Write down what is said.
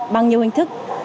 bằng nhiều hình thức